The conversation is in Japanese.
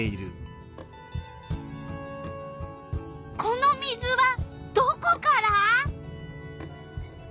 この水はどこから？